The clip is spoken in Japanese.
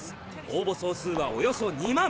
応募総数はおよそ２万！